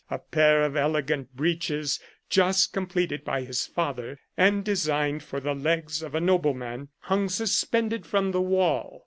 A pair of elegant breeches, just com pleted by his father, and designed for the legs of a nobleman, hung suspended from the wall.